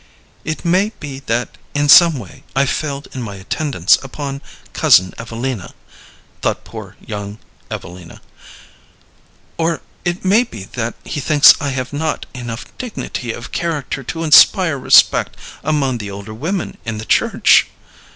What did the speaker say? "It may be that in some way I failed in my attendance upon Cousin Evelina," thought poor young Evelina, "or it may be that he thinks I have not enough dignity of character to inspire respect among the older women in the church."